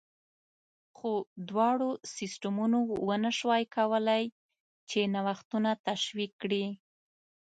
خو دواړو سیستمونو ونه شوای کولای چې نوښتونه تشویق کړي